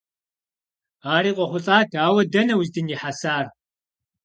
Ари къохъулӀат, ауэ дэнэ уздынихьэсар?